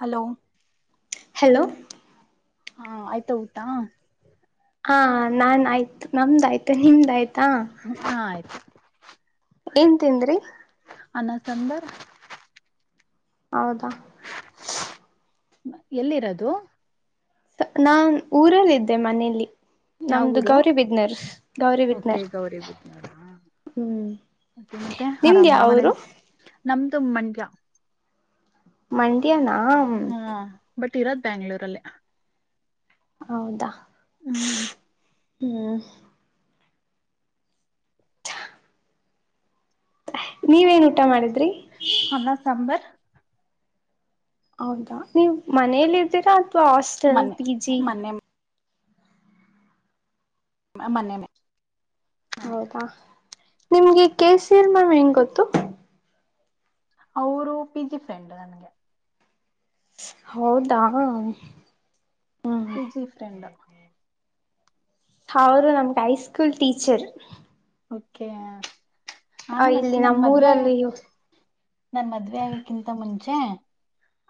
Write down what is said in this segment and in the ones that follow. Hello hello ಹಾ ಆಯ್ತಾ ಊಟ ಹಾ ನಾನ್ ಆಯ್ತು ನಮ್ದಾಯ್ತು ನಿಮ್ದ ಹಾ ಆಯ್ತು ಏನ್ ತಿಂದ್ರಿ ಅನ್ನ ಸಂದರ್ ಹೌದಾ ಎಲ್ಲಿರೋದು ನಾನ್ ಊರಲ್ಲ ಇದ್ದೆ ಮನೆಯಲ್ಲಿ ಯಾವ ನಮ್ದು ಊರು Gauri business Gauri okay business Gauri Gauribidanur business ಹ್ಮ್ ಮತ್ತೆ ಮತ್ತೆ ಆರಾಮ ನಿಮ್ದಾವರು ಮನೇಲಿ ನಮ್ದು ಮಂಾ ಮಂಡಿಯಾನಾ ಬಟ್ ಇರೋದ್ ಬ್ಯಾಂಗ್ಳೂರಲ್ಲಿ ಹೌದಾ ಹ್ಮ್ ಹ್ಮ್ ನೀವೇನ್ ಊಟ ಮಾಡಿದ್ದಿ ಹನ್ನ ಸಾಂಬರ್ ಹೌದಾ ನೀವ್ ಮನೇೆಯಲ್ಲಿ ಇದ್ದೀರಾ ಅಥವಾ ಹಾಸ್ಟೆಲ್ ಮನೆ ಪಿ ಜಿ ಮನೆ ಮನ್ನ ಮೇ ಹೌದಾ ನಿಮ್ಗೆ ಕೆ ಸಿ ಎರ್ ಮಾಮ್ ಹೆಂಗ ಗೊತ್ತು ಅವರು ಪಿ ಜಿ ಫ್ರೆಂಡ್ ನನ್ಗೆ ಹೌದಾ ವಿಜಿಫ್ರೆಂಡ ಅವರು ನಮ್ಗೆ ಹೈಸ್ಕೂಲ್ ಟೀಚರ್ ಓಕೆ ಆ ನಾನು ಮತ್ತೆ ಇಲ್ಲಿ ನನ್ ಮದ್ವೆ ಆಗ ನಮ್ಮೂರಲ್ಲಿ ನನ್ ಮದ್ವೆ ಆಗಕ್ಕಿಂತ ಮುಂಚೆ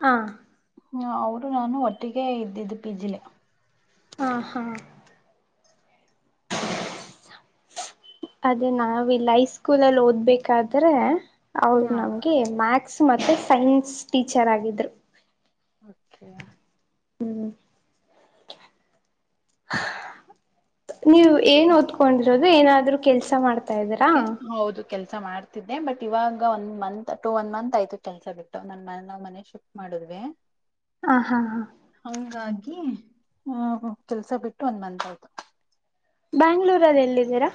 ಹ ಹ ಅವರು ನಾನು ಒಟ್ಟಿಗೆ ಇದ್ದಿದ್ದು ಪಿಜಿಲೆ ಹಾ ಹಾ ಅದೇ ನಾವಲ್ಲ ಹೈ ಸ್ಕೂಲಲ್ಲಿ ಓದ್ಬೇಕಾದ್ರೆ ಅವರು ಹಾ ನಮ್ಗೆ ಮ್ಯಾಥಸ್ ಮತ್ತೆ ಸೈನ್ಸ್ ಟೀಚರ್ ಆಗಿದ್ರು ಓಕೆ ಹ್ಮ ನೀವ್ ಏನ್ ಓದ್ಕೊಂಡಿರೋದು ಏನಾದ್ರರು ಕೆಲ್ಸ ಮಾಡ್ತಾ ಇದ್ದೀರಾ ಕೆಲಸ ಮಾಡ್ತಿದ್ದೆ ಬಟ್ ಇವಾಗ.. [unintelligible] ಹ ಹಾ ಹಾ ಹಂಗಾಗಿ ಆ ಕೆಲ್ಸ ಬಿಟ್ಟು ಒಂದ್ ಮತ್ ಆಯತು.. ಬ್ಯಾಂಗ್ಳೂರಲ್ಲಿ ಎಲ್ಲಿದ್ದೀರಾ..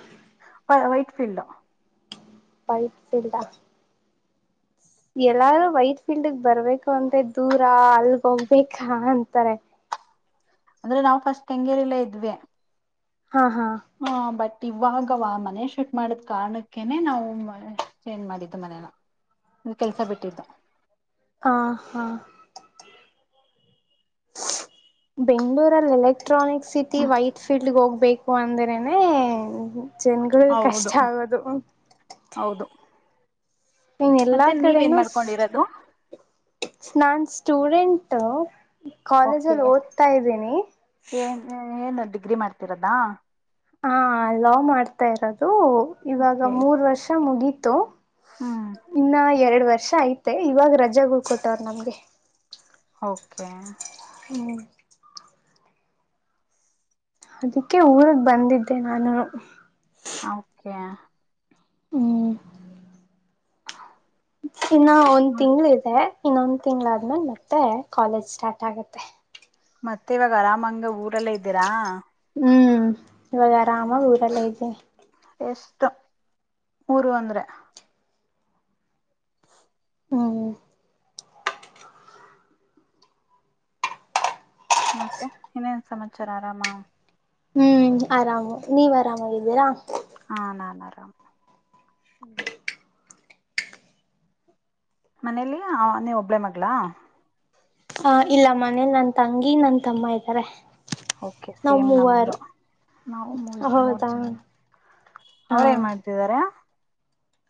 ವೈಟ್ ಫೀಲ್ಡ್ ಪೈಪ್ ಸಲ್ದಾ [unintelligible] ಎಲ್ಲಾರೂ ವೈಟ್ ಫೀಲ್ಡ್ಗ್ ಬರ್ಬೇಕು ಅಂದ್ರೆ ದೂರ ಅಲ್ಗ ಹೋಗ್ಬೇಕಾ ಅಂತಾರೆ ಅಂದ್ರೆ ನಾವು ಫಸ್ಟ್ ಕೆಂಗೇರಿಲ್ಲ ಇದ್ವಿ ಹಾ ಬಟ್ ಇವಾಗವ ಮನೆ ಶೂಟ್ ಮಾಡದ್ ಕಾರಣಕ್ಕನೆ ನಾವು ಚೇಂಜ್ ಮಾಡಿದ್ದ ಮನೇಲ್ಲ ನಿ ಕೆಲ್ಸ ಬಿಟ್ಟಿದ್ದು ಹ ಹಾ ಬೆಂಗಗಳೂರಲ್ಲೆಲ್ಲ ಎಲೆಕ್ಟ್ರಾನಿಕ್ ಸಿಟಿ ವೈಟ್ ಫೀಲ್ಡ್ ಹೋಗ್ಬೇಕು ಅಂದ್ರೇ ಜನ್ಗಳು ಕಷ್ಟ ಹೌದು ಆಗ ಅದು ಹ್ಮ ಹೌದು ನೀನ್ ಎಲ್ಲಾ ಮತ್ತೆ ನೀವ ಏನ್ ಕಡೆನೂ ಮಾಡ್ಕೊಂಡಿರೋದು ಸ್ನನ್ ಸ್ಟೂಡೆಂಟ್ ಓಕೆ ಕಾಲೇಜಲ್ಲಿ ಓದ್ತಾ ಇದ್ದೀನಿ ಅಗ್ರಿ ಮಾಡ್ತಿರದಾ ಹಾ ಲಾ್ ಮಾಡ್ತಾ ಇರೋದು ಇವಾಗ ಓಕೆ ಮೂರ್ ವರ್ಷ ಮುಗೀತು ಹ್ಮ್ ಇನ್ನ ಎರಡು ವರ್ಷ ಐ್ತೆ ಇವಾಗ ರಜಾಗುಳ್ಕೊಟ್ಟವ್ರ ನಮ್ಗೆ ಓಕೆ ಹ್ಮ್ ಅದಕ್ಕೆ ಊರ್ಗ್ ಬಂದಿದ್ದೆ ನಾನು ಓಕೆ ಹ ಚನ್ನ ಒಂದ್ ಹ್ಮ ತಿಂಗಳ ಇದೆ ಇನ್ನೊಂದ್ ತಿಂಗಗಳ ಆದ್ಮೇಲೆ ಮತ್ತೆ ಕಾಲೇಜ್ ಸ್ಟಾರ್ಟ್ ಆಗತ್ತೆ ಮತ್ತೆ ಇವಾಗ ಆರಾಮಂಗ ಊರೆಲ್ಲ ಇದ್ದೀರಾ ಹ್ಮ್ ವಗರ ಆಮ ಬಊರ ಲಜೆ ಎಷ್ಟು ಊರು ಅಂದ್ರೆ ಹ್ಮ ಮತ್ತೆ ಇನ್ನೇನ್ ಸಮಾಚಾರ ಆರಾಮ ಹ್ಮ್ ಆರಾಮ್ ನೀವ್ ಆರಾಮಾಗಿದ್ದೀರಾ ಹಾ ನಾನರಾಮ [inaudible] ಮನೇಲಿ ಆ ನೀವ್ ಒಬ್ಬಳೇ ಮಗ್ಗಳ ಹ ಇಲ್ಲ ಮನೇಲಿ ನನ್ ತಂಗಿ ನನ್ ತಮ್ಮ ಇದ್ದಾರೆ ಕೆ ನಾವ್ ಸೇಮ್ ಮೂವರು ನಮ್ದು ನಾವು ಮೂರ್ ಮೂರ್ ಹೌದಾ ಜನ ಅವ್ರೇನ್ ಮಾಡ್ತಿದಾರ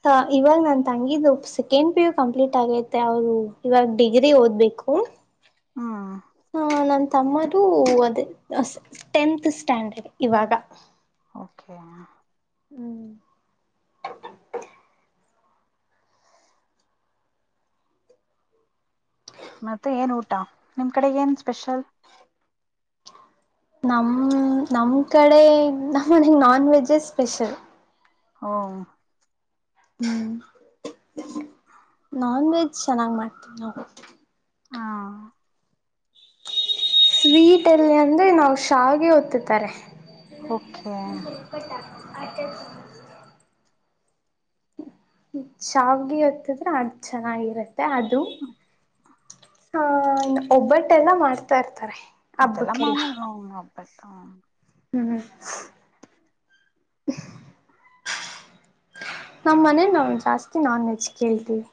ಹ ಇವಾಗ ನನ್ ತಂಗಿದ್ದು ಸೆಕೆಂಡ್ ಪಿ ಯು ಕಂಪ್ಲೀಟ್ ಆಗೈತೆ ಅವ್ರು ಇವಾಗ ಡಿಗ್ರಿ ಓದ್ಬೇಕು ಹ್ಮ್ ನಂತ [unintelligible] ತಮ್ಮದು ಅದ ಟೆಂತ್ ಸ್ಟ್ಯಾಂಡರ್ಡ್ ಇವಾಗ ಓಕೆ ಹ್ಮ್ ಮತ್ತೆ ಏನ್ ಊಟ ನಿಮ್ ಕಡೆ ಏನ್ ಸ್ಪೆಷಲ್ ನಮ್ಮ ನಮ್ ಕಡೆ ನಮ್ಮ ಮನೆಗ್ ನಾನ್ ವೆಜ್ಜೇ ಸ್ಪೆಷಲ್ ಹ್ಮ ಹ್ಮ್ ನಾನ್ ವೆಜ್ ಚೆನ್ನಾಗಿ್ ಮಾಡ್ತೀವಿ ನಾವು ಹಾ ಸ್ವೀಟ್ ಎಲ್ಲಿ ಅಂದ್ರೆ ನಾವು ಶೆ ಓದ್ತತಾರೆ ಓಕೆ ನಿ ಹಪಟ್ಟ ಆ [unintelligible] ಚಾವ್ಗೆ ಹೊತ್ತಿದ್ರೆ ಅದು ಚೆನ್ನಾಗಿರತ್ತೆ ಅದು ಹಾ ಒಬ್ಬಟ್ಟೆಲ್ಲ ಮಾಡ್ತಾ ಇರ್ತಾರೆ ಅದೆಲ್ಲ ಮಾ ಹಬ್ಬಕ್ಕೆಲ್ಲ ಅಬಟ್ಟ ಹ್ಮ್್ಮ [inaudible] ನಮ್ಮ ಮನೇ ನಾವು ಜಾಸ್ತಿ ನಾನ್ ವೆಜ್ ಕೇಳ್ತೀವಿ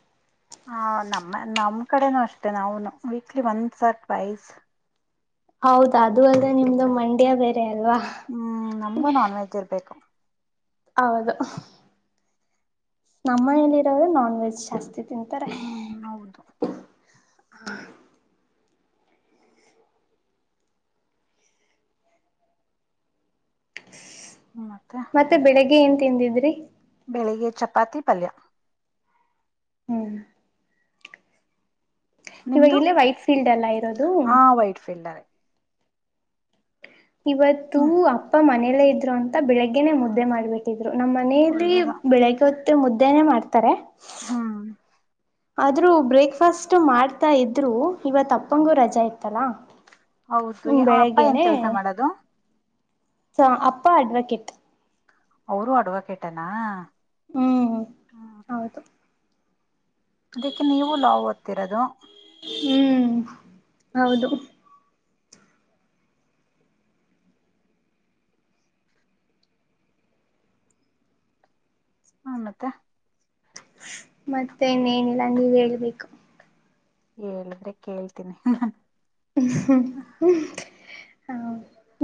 ಹ ನಮ್ಮ ನಮ್ ಕಡೆನುೂ ಅಷ್ಟೆ ನಾವು ವೀಕ್ಲಿ ಒನ್ ಸರ್ಟ್ ವೈಸ್ ಹೌದ ಅದು ಅದ ನಿಮ್ದು ಮಂಡ್ಯ ಬೇರೆ ಅಲ್ವಾ ಹ್ಮ್ ನಮ್ಗೂ ನಾನ್ ವೆಜ್ ಇರ್ಬೇಕು ಹೌದು ನಮ್ಮನಲಿ ಇರೋರು ನಾನ್ ವೆಜ್ ಜಾಸ್ತಿ ತಿಂತಾರೆ ಹ್ಮ್ ಹೌದು ಹಾ ಮತ್ತೆ ಬೆಳಿಗ್ಗೆ ಏನ್ ತಿಂದಿದ್ರಿ ಬೆಳಿಗ್ಗೆ ಚಪಾತಿ ಪಲ್ಯ ಹ್ಮ್ ಇವಾಗ ನಿಮ್ದು ಇಲ್ಲೇ ವೈಟ್ ಫೀಲ್ಡ್ ಎಲ್ಲ ಇರೋದು ಆ ವೈಟ್ ಫೀಲ್ಡರ್ ಇವತ್ತು ಹ್ಮ್ ಅಪ್ಪ ಮನೆಯಲ್ಲೇ ಇದ್ರು ಅಂತ ಬೆಳಿಗ್ಗೆನೆೇ ಮುದ್ದೆ ಮಾಡ್ಬಿಟ್ಟಿದ್ರು ನಮ್ಮ್ ಮನೆಯಲ್ಲಿ ಒಳ್ಳೇದ ಬೆಳಗ್ಗೆ ಹೊತ್ತ ಮುದ್ದೆನೇ ಮಾಡ್ತಾರೆ ಹ್ಮ್ ಆದ್ರೂ ಬ್ರೇಕ್ಫಾಸ್ಟ್ ಮಾಡ್ತಾ ಇದ್ರು ಇವತ್ಪ್ಪಂಗೂ ರಜೆಾ ಇತ್ತಲ್ಲಾ ಹೌದು ಹ್ಮ್ ಆ ಅಪ್ಪ ಏನ್ ಕೆಲ್ಸ ಮಾಡದು ಅಪ್ಪಾ ಅಡ್ವಕೇಟ್ ಅವರು ಅಡವಾ ಕೇಟ್ಟಾನ [inaudible] ಹ್ಮ್ ಹೌದು ಅದಕ್ಕೆ ನೀವು ಲಾವ್ ಓದ್ತ್ತಿರೋದು. ಹ್ಮ್ ಹೌದು. ಹ ಮತ್ತ. ಮತ್ತೆನ್ನೇನಿಲ್ಲ ನೀವ ಹೇಳಬೇಕು. ಹೇಳಿದ್ರೆ ಕೇಳ್ತೀನಿ ಹ್ಮ್ ಹ್ಮ್.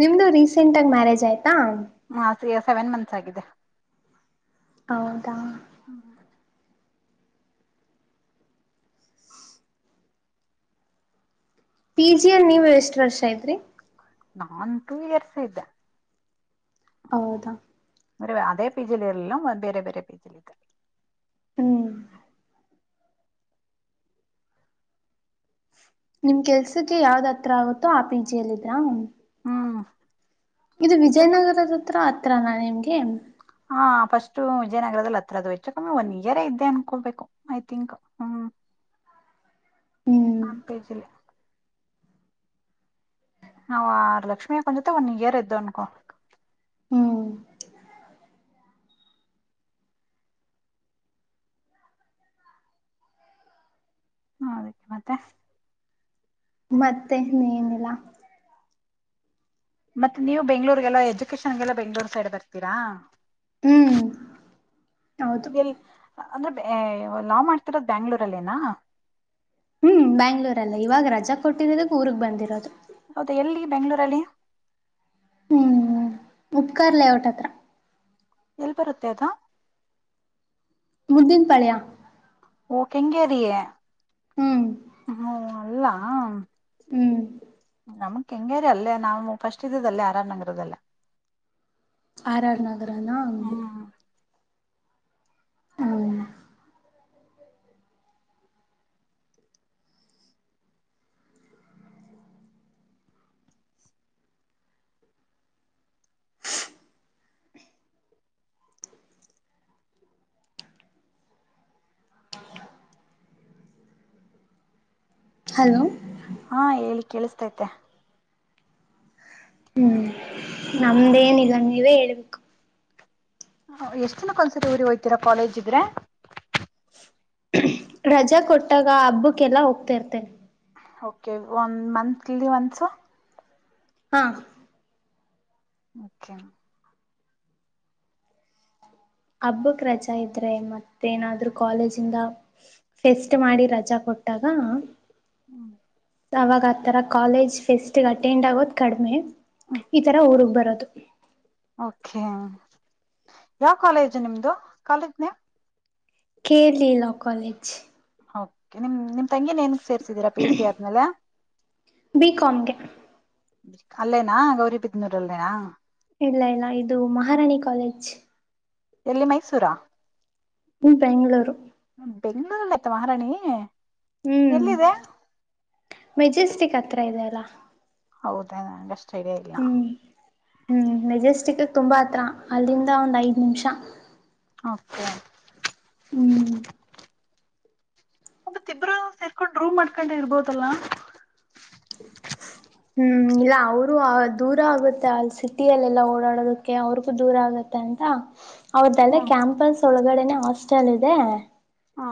ನಿಮ್ದು ರೀಸೆಂಟ್ ಆಗ ಮ್ಯಾರೇಜ್ ಆಯ್ ಹ ಸೆವೆನ್ ಮಂತ್ಸ್ ಆಗಿದೆ. ಹೌದಾ. ಹ್ಮ ಹ್ಮ. ಪಿ ಜಿ ಅಲ್ಲಿ ನೀವ ಎಷ್ಟ್ ವರ್ಷ ಇದ್ರಿ. ನಾನ್ ಟೂ ಐರ್ಸ್ ಇದ್ದೆ. ಹೌದಾ. ಮ ಅದೇ ಪೇಜಲ್ಲಿ ಇರಲ್ಲ ಬೇರೆ ಬೇರೆ ಪೇಜಲ್ಲಿ ಇದ್ದೆ. ಹ್ಮ್. ನಿಮ್ ಕೆಲ್ಸಕ್ಕೆ ಯಾವ್ದ್ ಹತ್ರ ಆಗುತ್ತೋ ಆ ಪಿ ಜಿಯಲ್ಲ ಇದ್ರಾ. ಹ್ಮ. ಇದು ವಿಜಯನಗರದತ್ರ ಹತ್ರನಾ ನಿಮ್ಗೆ. ಹಾ ಫಸ್ಟು ವಿಜಯನಗರದಲ್ಲಿ ಹತ್ರದು ವೆಚ್ಚಕ್ಕಮ್ಮೆ ಒನ್ ಇಯರೇ ಇದ್ದೆ ಅನ್ಕೊಬೇಕು ಐ ತಿಂಕ್ ಹ್ಮ್. ಹ್ಮ್ ನನ್ ಪೇಜಿಲ್ಲ. ನ ಲಕ್ಷ್ಮಿ ಅಕ್ಕನ ಜೊತೆಗ ಒನ್ ಇಯರ್ ಇದ್ದು ಅನ್ಕೋ. ಹ್ಮ್. [inaudible] ಮತ್ತೆ ನೀ ಏನಿಲ್ಲ. ಮತ್ತೆ ನೀವು ಬೆಂಗ್ಗಳೂರ್ರಿಗೆಲ್ಲ ಎಜುಕೇಶನ್ಗೆಲ್ಲ ಬೆಂಗ್ಗಳೂರ್ ಸೈಡ್ ಬರ್ತೀರಾ. ಹ್ಮ್ ಹೌದು [unintelligible] ಲಾವ್ ಮಾಡ್ತಿರೋದು್ ಬ್ಯಾಂಗ್ಳೂರಲ್ಲಿೇನಾ. ಹ್ಮ್ ಬ್ಯಾಂಗ್ಳೂರಲ್ಲ ಇವಾಗ ರಜಾ ಕೊಟ್ಟಿರೋದಕ್ಕೆ ಊರ್ಗ್ ಬಂದಿರೋದು. ಹೌದಾ ಎಲ್ಲಿ ಬೆಂಗಗಳೂರಲ್ಲಿ. ಹ್ಮ್ ಉಪ್ಕಾರ್ಲಔಟ್ಟ ಹತ್ರ. ಎಲ್ಲಿ ಬರುತ್ತೆ ಅದು. ಮು್ದಿನ ಪಳೆಯಾ. ಓ ಕೆಂಗೇರಿೇ ಹ್ಮ್ ಹ್ಮ ಅಲ್ಲಾ. ಹ್ಮ್. ನಮಕ್ ಕೆಂಗೇರಿ ಅಲ್ಲೇ ನಾವು ಫಸ್ಟ್ ಇದ್ದದಲ್ಲೇ ಆರ ಆರ್ ನಗರದೆಲ್ಲ. ಆರ್ ಆರ್ ನಗರನಾ. ಹ್ಮ್ ಹಲೋ. ಹಾ ಹೇಳಿ ಕೇಳಿಸತೈತೆ. ಹ್ಮ್ ನಮ್ದೇನ್ಗ ನೀವೇ ಹೇಳ್ಬೇಕು. ಎಷ್ಟು ದಿನಕ್ಕ ಒಂದಸರಿ ಹೋಗಯ್ತೀರಾ ಕಾಲೇಜ್ ಇದ್ರೆ. ರಜಾ ಕೊಟ್ಟಾಗ ಹಬ್ಬಕ್ಕೆಲ್ಲ ಹೋಗ್ತಾ ಇರ್ತೆೇನೆ. ಕೆ ಒನ್ ಮಂತ್ಲಿ ಒಸ. ಹಾ. ಓಕೆ. ಹಬ್ಬಕ್ ರಜಾ ಇದ್ರೆ ಮತ್ತೇಏನಾದ್ರು ಕಾಲೇಜ ಇಿಂದ ಫೆಸ್ಟ್ ಮಾಡಿ ರಜಾ ಕೊಟ್ ಕೊಟ್ಟಾಗ. ಹ್ಮ್. ಅವಾಗ ಆತರ ಕಾಲೇಜ್ ಫೆಸ್ಟ್ ಅಟೆಂಡ್ ಆಗೋದು್ ಕಡಿಮೆ ಈತರ ಊರ್ಗ್ ಬರ [inaudible] ಓಕೆ ಯಾವ ಕಾಲೇಜ್ ನಿಮ್ದು ಕಾಲೇಜ್ ನೇಮ್. ಕೆ ಲೀ ಲಾವ್ ಕಾಲೇಜ್. ಕೆ ನಿಮ ನಿಮ ತಂಗಿನ ಏನಕ ಸೇರ್ಸಿದೀರಾ ಪಿ ಯುಸಿ ಆದ್ಮೇಲೆ ಬಿ ಕಾಮ್ಗೆ ಅಲ್ಲೇನಾ ಗೌರಿ ಬಿದನೂರ ಅಲ್ಲೆಯ ಇಲ್ಲ ಇಲ್ಲ ಇದು ಮಹಾರಾಣಿ ಕಾಲೇಜ್. ಎಲ್ಲಿ ಮೈಸೂರ. ಹ್ಮ ಬೆಂಗಳೂರು. ಬೆಂಗಳೂರ ಮತ್ ಮಹಾರಾಣಿ. ಹ್ಮ ಎಲ್ಲಿದೆ ಮೆಜೆಸ್ಟಿಕ್ ಹತ್ರ ಇದೆ ಅಲ್ಲ. ಹೌದ ಹ್ಮ ಹ್ಮ ಮೆಜೆಸ್ಟಿಕ್ ತುಂಬಾ ಹತ್ರ ಅಲ್ಲಿಂದ ಒಂದ್ ಐದ ನಿಮಿಷ. ಓಕೆ. ಹ್ಮ್ ತ ತಿಬ್ರ ಸೇರ್ಕೊಂಡ್ ರೂಮ್ ಮಾಡ್ಕೊಂಡೆ ಇರ್ಬೋದಲ್ಲ. ಹ್ಮ ಇಲ್ಲ ಅವರು ದೂರ ಆಗತ್ತೆ ಅಲ್ಲಿ ಸಿಟಿಯಲ್ಲೆಲ್ಲಾ ಓಡಾಡೋದಕ್ಕೆ ಅವ್ರಿಗೂ ದೂರ ಆಗತ್ತೆ. ಅಂತ ಅವ್ರ್ದಲ್ಲ ಹ್ಮ್ ಕ್ಯಾಂಪಸ್ ಒಳಗಡನೆ ಹಾಸ್ಟೆಲ್ ಇದೆ. ಹಾ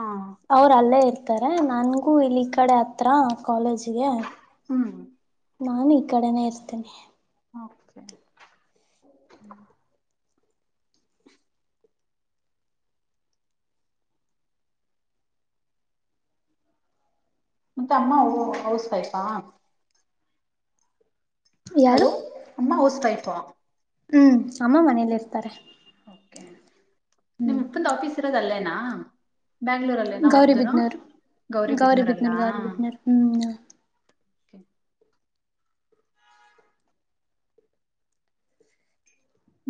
ಅವರ ಅಲ್ಲೇ ಇರ್ತಾರೆ ನನ್ಗೂ ಇಲ್ಲಿ ಈ ಕಡೆ ಹತ್ರ ಕಾಲೇಜ್ಗೆ ಹ್ಮ. ನಾನ ಈ ಕಡೆನೆೇ ಇರ್ತೇನೀ. ಓ ಕೆ. ಹ್ಮ. ಮತ್ತ ಅಮ್ಮ ಹೌಸ್ ವೈಫಾ. ಹಲೋ ಅಮ್ಮ ಹೌಸ್ ವೈಪಾ ಹ್ಮ ಅಮ್ಮ ಮನೇಲಿ ಇರ್ತಾರೆ. ನಿಮ್ಮ ಹ್ಮ್ ಅಪ್ಪಂದ ಆಫೀಸ್ ಇರೋದ ಅಲ್ಲೇನಾ. ಬ್ಯಾಂಗ್ಳೂರಲ್ಲೇ ನಾ ಗೌರಿ ಅವ್ರದ್ದನು ಬಿದ್ನೂರ್ ಗೌರಿ ಗೌರಿಬಿದ್ನೂರಲ್ಲ. ಬಿದ್ನೂರ್ ಗೌರಿ ಬಿದ್ನೂರ್ ಹ್ಮ್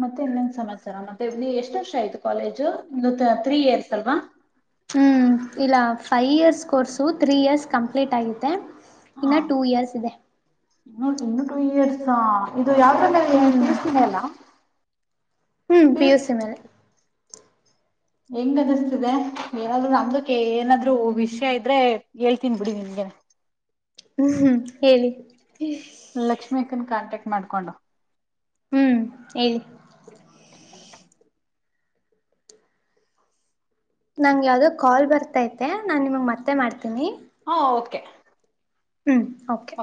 ಮತ್ತೆ ಇನ್ನೇನ ಸಮಾಚಾರ ಮತ್ತೆ ಇಲ್ಲಿ ಎಷ್ಟ ವರ್ಷ ಆಯ್ತು ಕಾಲೇಜು ಇಂದು ತ್ರೀ ಇಯರ್ಸ್ ಅಲ್ವಾ. ಹ್ಮ ಇಲ್ಲ five years course three years complete ಆಗತೆ. ಇನ್ನ ಟೂ ಇಯರ್ಸ್ ಇದೆ. ಇನ್ನ ಟೂ ಇಯರ್ಸ್ ಇದು ಯಾವ್ದ್ರ ಮೇಲೆ ಪಿಯುಸಿ ಮೇಲಾ ಹ್ಮ ಪಿ ಯ ಸಿ ಮೇಲೆ. ಹೆಂಗ ಅನ್ನಿಸ್ತಿದೆ ಏನಾದ್ರು ನಮ್ದಕ್ಕೆ ಏನಾದ್ರು ವಿಷಯ ಇದ್ರೆ ಹೇಳ್ತೀನ ಬಿಡಿ ನಿಮ್ಗೆ [inaudible] ಹೇಳಿ. ಲಕ್ಷ್ಮೀ ಅಕ್ಕನ್ ಕಾಂಟ್ಯಾಕ್ಟ್ ಮಾಡ್ಕೊಂಡು ಹ್ಮ್ ಹೇಳ. ನಂಗ ಯಾವದೋ ಕಾಲ್ ಬರ್ತತೆ ನಾನ ನಿಮಗ್ ಮತ್ತೆ ಮಾಡ್ತೀನಿ. ಹಾ ಓಕೆ. ಹ್ಞೂ ಓಕೆ.